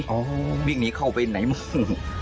ว่าวิ้งหนีเข้าไปไหนหมง